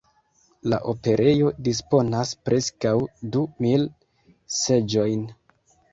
La operejo disponas preskaŭ du mil seĝojn.